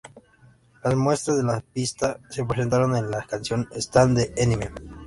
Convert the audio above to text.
Las muestras de la pista se presentaron en la canción "Stan" de Eminem.